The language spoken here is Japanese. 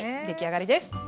出来上がりです。